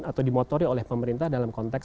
atau dimotori oleh pemerintah dalam konteks